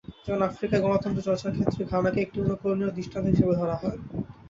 যেমন আফ্রিকায় গণতন্ত্র চর্চার ক্ষেত্রে ঘানাকে একটি অনুকরণীয় দৃষ্টান্ত হিসেবে ধরা হয়।